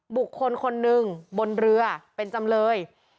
บุคคลคนหนึ่งบนเรือเป็นจำเลย